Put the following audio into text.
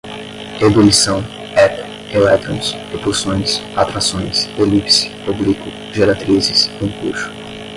ebulição, eco, elétrons, repulsões, atrações, elipse, oblíquo, geratrizes, empuxo